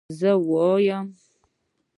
زه وايم